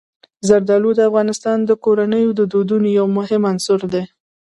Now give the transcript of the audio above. زردالو د افغان کورنیو د دودونو یو مهم عنصر دی.